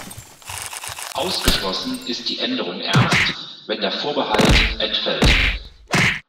Ausgeschlossen ist die Änderung erst, wenn der Vorbehalt entfällt.